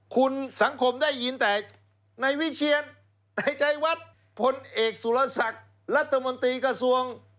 คุณสังคมได้ยินแต่ในวิเชียนในใจวัดพลเอกสุรศักดิ์รัฐมนตรีกระทรวง